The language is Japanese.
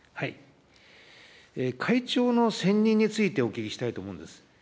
会長の選任についてお聞きしたいと思うんです。